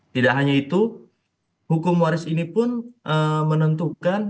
tidak hanya itu hukum waris ini pun menentukan